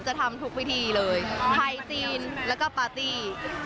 จะทำทุกวิธีเลยไทยจีนแล้วก็ปาร์ตี้